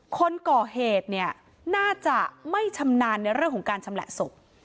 คนก่อเหตุเนี่ยน่าจะไม่ชำนาญในเรื่องของการชำแหละศพ